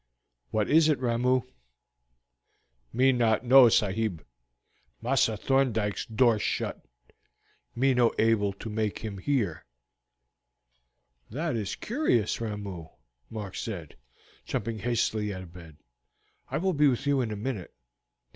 "What is it, Ramoo?" "Me not know, sahib. Massa Thorndyke's door shut. Me no able to make him hear." "That is curious, Ramoo," Mark said, jumping hastily out of bed. "I will be with you in a minute."